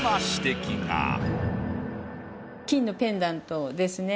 金のペンダントですね。